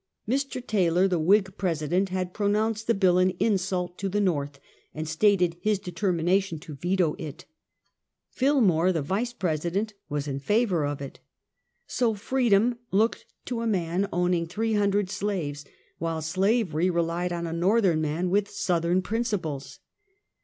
Mr. Taylor, the Whi<j President, had pronounced the bill an insult to the ISTorth, and stated his determination to veto it. Filknore, the Yice Pres ident, was in favor of it. So, Freedom looked to a man owning three hundred slaves, while slavery re lied on " a l^orthern man with Southern principles."